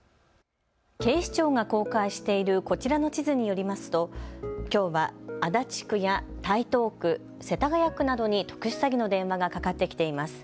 警視庁が公開しているこちらの地図によりますときょうは足立区や台東区、世田谷区などに特殊詐欺の電話がかかってきています。